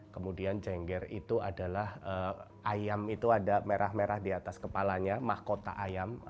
kemudian jengger itu adalah ayam itu ada merah merah di atas kepalanya mahkota ayam